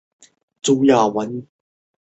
他领导奥斯曼军队击败了尕勒莽王朝。